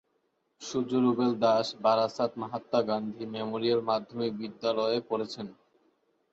সূর্য Rubel Das Barasat Mahatma Gandhi memorial মাধ্যমিক বিদ্যালয়ে পড়েছেন।